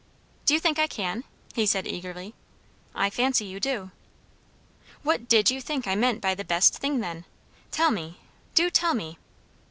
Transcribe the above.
"Do you think I can?" he said eagerly. "I fancy you do." "What did you think I meant by the 'best' thing, then? Tell me do tell me?"